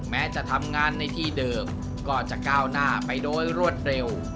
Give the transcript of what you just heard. แม้จะทำงานในที่เดิมก็จะก้าวหน้าไปโดยรวดเร็ว